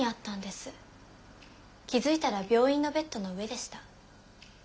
気付いたら病院のベッドの上でした。